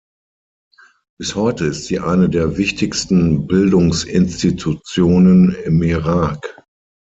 Bis heute ist sie eine der wichtigsten Bildungsinstitutionen im Irak.